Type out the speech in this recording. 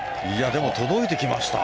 でも、届いてきました。